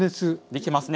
できますね。